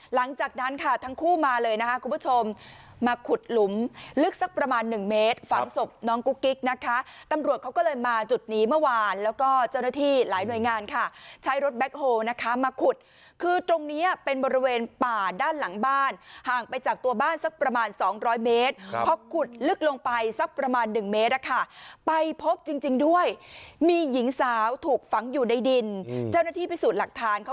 หลังจากนั้นค่ะทั้งคู่มาเลยนะครับคุณผู้ชมมาขุดหลุมลึกสักประมาณหนึ่งเมตรฝังศพน้องกุ๊กกิ๊กนะคะตำรวจเขาก็เลยมาจุดนี้เมื่อวานแล้วก็เจ้าหน้าที่หลายหน่วยงานค่ะใช้รถแบคโฮนะคะมาขุดคือตรงนี้เป็นบริเวณป่าด้านหลังบ้านห่างไปจากตัวบ้านสักประมาณสองร้อยเมตรเพราะขุดลึกลงไปสักประมาณหนึ่งเมตร